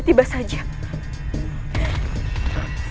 gimana karena hidup badan